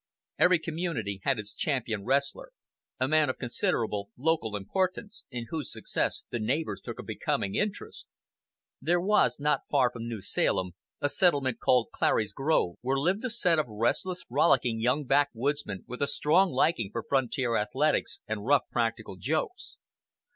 Every community had its champion wrestler, a man of considerable local importance, in whose success the neighbors took a becoming interest. There was, not far from New Salem, a settlement called Clary's Grove, where lived a set of restless, rollicking young backwoodsmen with a strong liking for frontier athletics and rough practical jokes.